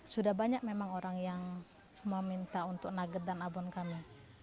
sudah banyak memang orang yang meminta untuk nugget dan abon kami